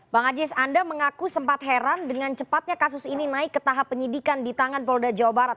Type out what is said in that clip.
bang ajis anda mengaku sempat heran dengan cepatnya kasus ini naik ke tahap penyidikan di tangan polda jawa barat